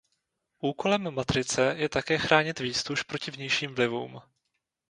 Úkolem matrice je také chránit výztuž proti vnějším vlivům.